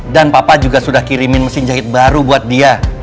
dan papa juga sudah kirimin mesin jahit baru buat dia